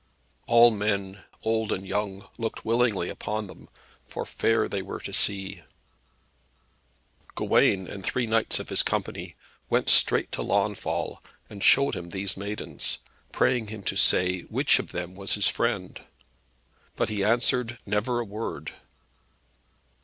All men, old and young, looked willingly upon them, for fair they were to see. Gawain, and three knights of his company, went straight to Launfal, and showed him these maidens, praying him to say which of them was his friend. But he answered never a word.